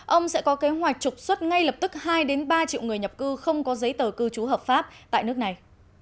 ông sẽ có kế hoạch trục xuất ngay lập tức hai ba triệu người nhập cư không có giấy tờ cư trú hợp pháp tại nước này